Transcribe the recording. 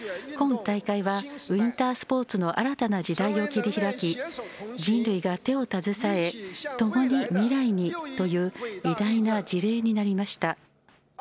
今大会は、ウインタースポーツの新たな時代を切り開き人類が手を携え「ともに未来へ」という偉大な事例になりました。